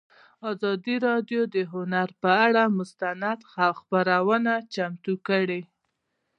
ازادي راډیو د هنر پر اړه مستند خپرونه چمتو کړې.